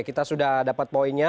kita sudah dapat poinnya